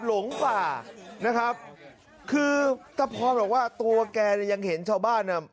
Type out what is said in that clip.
หลงป่านะครับคือตะพรบอกว่าตัวแกเนี่ยยังเห็นชาวบ้านน่ะ